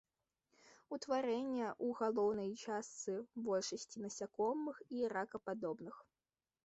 Утварэнні ў галаўной частцы большасці насякомых і ракападобных.